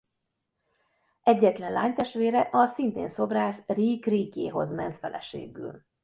Egyetlen lánytestvére a szintén szobrász Rijk Rijkéhoz ment feleségül.